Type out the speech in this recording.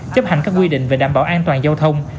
chấp hành các quy định về đảm bảo an toàn